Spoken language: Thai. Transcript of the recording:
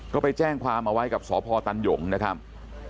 ก็ไปแจ้งความเอาไว้กับสพตันหยงนะครับ